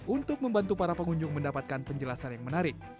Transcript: untuk membantu para pengunjung mendapatkan penjelasan yang menarik